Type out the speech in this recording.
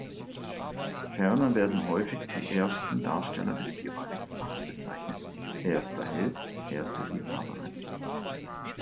Ferner werden häufig die ersten Darsteller des jeweiligen Fachs bezeichnet: erster Held, erste Liebhaberin.